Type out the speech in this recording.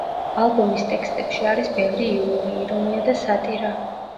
ალბომის ტექსტებში არის ბევრი იუმორი, ირონია და სატირა.